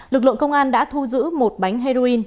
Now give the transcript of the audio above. lực lượng công an đã thu giữ một bánh heroin